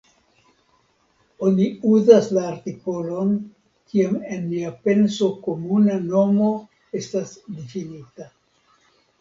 Oni uzas la artikolon kiam en nia penso komuna nomo estas difinita.